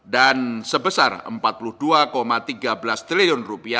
dan sebesar rp empat puluh dua tiga belas triliun